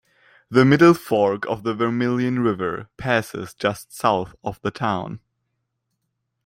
The Middle Fork of the Vermilion River passes just south of the town.